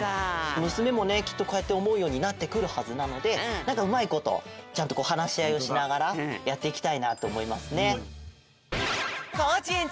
むすめもねきっとこうやっておもうようになってくるはずなのでなんかうまいことちゃんとこうはなしあいをしながらやっていきたいなとおもいますね。